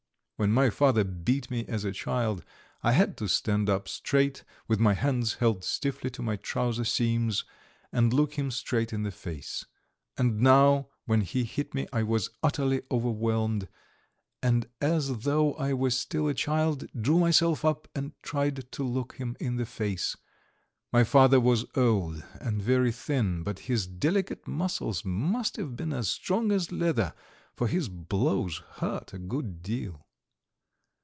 When my father beat me as a child I had to stand up straight, with my hands held stiffly to my trouser seams, and look him straight in the face. And now when he hit me I was utterly overwhelmed, and, as though I were still a child, drew myself up and tried to look him in the face. My father was old and very thin but his delicate muscles must have been as strong as leather, for his blows hurt a good deal.